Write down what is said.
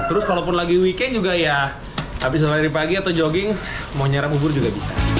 terus kalau lagi weekend juga ya habis selera pagi atau jogging mau nyerap bubur juga bisa